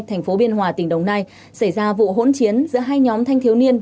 thành phố biên hòa tỉnh đồng nai xảy ra vụ hỗn chiến giữa hai nhóm thanh thiếu niên